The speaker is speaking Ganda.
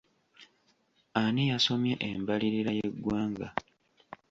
Ani yasomye embalirira y'eggwanga?